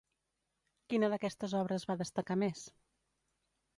Quina d'aquestes obres va destacar més?